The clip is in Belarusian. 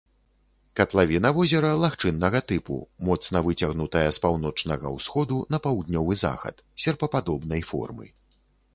Катлавіна возера лагчыннага тыпу, моцна выцягнутая з паўночнага ўсходу на паўднёвы захад, серпападобнай формы.